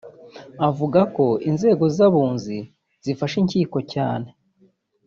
avuga ko inzego z’abunzi zifasha inkiko cyane